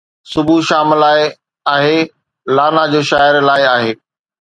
صبح شام لاءِ آهي، لانا جوشائر لاءِ آهي